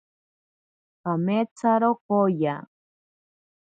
Kameetsaro kooya.